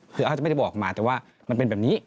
คือเขาจะไม่ได้บอกมาแต่ว่ามันเป็นแบบนี้